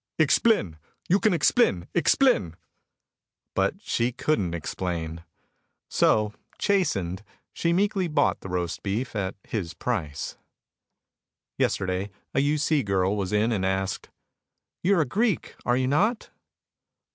"Explin you kin explin explin." But she couldn't explain. So, chastened, she meekly bought the roast beef at his price. Yesterday a U. C. girl was in and asked, "You are a Greek, are you not?"